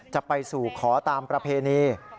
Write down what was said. จะไปสู่ขอตามประเพณี